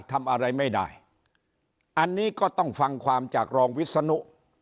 ทำอะไรไม่ได้อันนี้ก็ต้องฟังความจากรองวิศนุ